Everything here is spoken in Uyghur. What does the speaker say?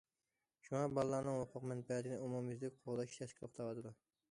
شۇڭا، بالىلارنىڭ ھوقۇق- مەنپەئەتىنى ئومۇميۈزلۈك قوغداش تەسكە توختاۋاتىدۇ.